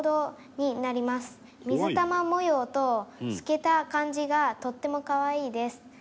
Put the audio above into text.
水玉模様と透けた感じがとっても可愛いです。